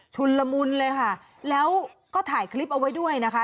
ละมุนเลยค่ะแล้วก็ถ่ายคลิปเอาไว้ด้วยนะคะ